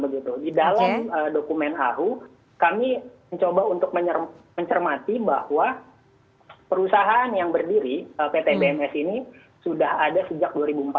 di dalam dokumen ahu kami mencoba untuk mencermati bahwa perusahaan yang berdiri pt bms ini sudah ada sejak dua ribu empat belas